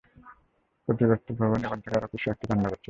ক্ষতিগ্রস্ত ভবনে গ্রন্থাগার, অফিস ও একটি রান্নাঘর ছিলো।